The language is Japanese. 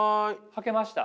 はけました？